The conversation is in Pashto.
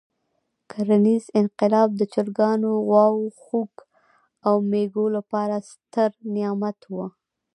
کرنیز انقلاب د چرګانو، غواوو، خوګ او مېږو لپاره ستر نعمت وو.